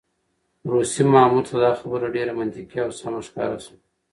روسي مامور ته دا خبره ډېره منطقي او سمه ښکاره شوه.